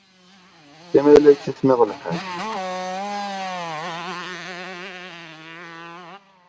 Simal la yettismiḍ lḥal.